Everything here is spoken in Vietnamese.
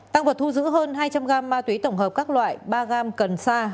tang vật thu giữ hơn hai trăm linh gam ma túy tổng hợp các loại ba gam cần sa